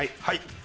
はい。